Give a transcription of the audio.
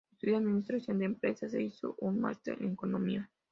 Estudió Administración de empresas e hizo un máster en Economía.